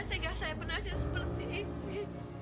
sehingga saya pernah jadi seperti ini